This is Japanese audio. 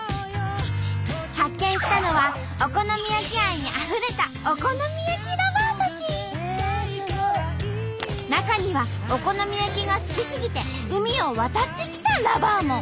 発見したのはお好み焼き愛にあふれた中にはお好み焼きが好き過ぎて海を渡ってきたＬｏｖｅｒも！